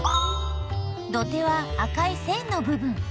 土手は赤い線のぶ分。